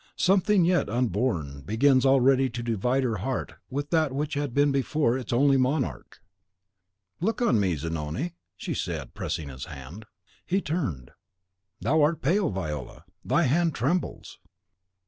Something yet unborn begins already to divide her heart with that which had been before its only monarch. "Look on me, Zanoni," she said, pressing his hand. He turned: "Thou art pale, Viola; thy hand trembles!"